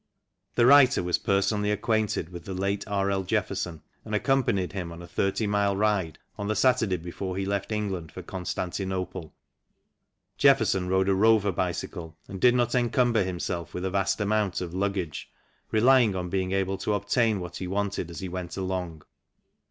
The writer was personally acquainted with the late R. L. Jefferson, and accompanied him on a 30 mile ride on the Saturday before he left England for Con stantinople. Jefferson rode a Rover bicycle and did not encumber himself with a vast amount of luggage, relying on being able to obtain what he wanted as he went along.